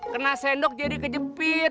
kena sendok jadi kejepit